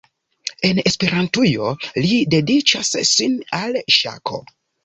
En Esperantujo li dediĉas sin al ŝako.